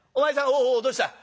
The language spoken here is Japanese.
「おおおおどうした？